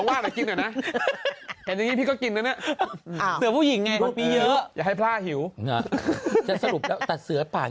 นี่ก็เป็นเสืออีกพันธุ์หนึ่งเสือผู้หญิง